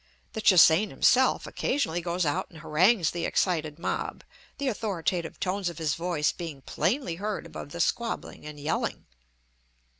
The Che hsein himself occasionally goes out and harangues the excited mob, the authoritative tones of his voice being plainly heard above the squabbling and yelling.